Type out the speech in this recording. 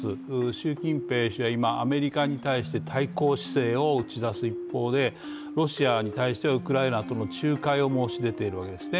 習近平氏は今、アメリカに対して対抗姿勢を打ち出す一方でロシアに対してはウクライナとの仲介を申し出ているわけですね。